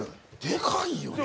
でかいよね。